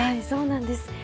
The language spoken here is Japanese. そうなんです。